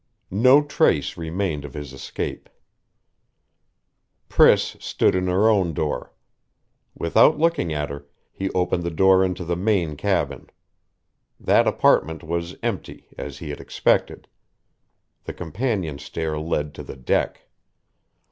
No trace remained of his escape.... Priss stood in her own door. Without looking at her, he opened the door into the main cabin. That apartment was empty, as he had expected. The companion stair led to the deck....